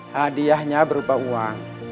hadiahnya berupa uang